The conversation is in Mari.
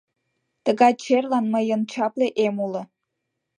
— Тыгай черлан мыйын чапле эм уло.